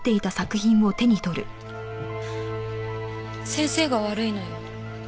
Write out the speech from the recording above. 先生が悪いのよ。